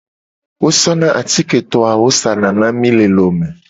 Wo sona atiketo awo sana na mi le lome.